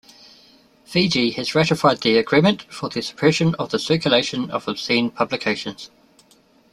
Fiji has ratified the Agreement for the Suppression of the Circulation of Obscene Publications.